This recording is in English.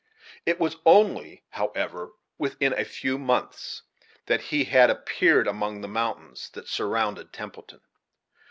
It was only, however, within a few months, that he had appeared among the mountains that surrounded Templeton.